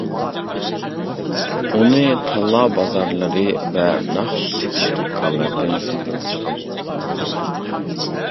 ئۇنى تاللا بازارلىرى ۋە مەخسۇس سېتىش دۇكانلىرىدىن سېتىۋېلىشقا بولىدۇ.